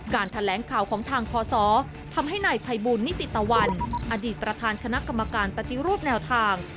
แถลงข่าวของทางพศทำให้นายภัยบูลนิติตะวันอดีตประธานคณะกรรมการปฏิรูปแนวทาง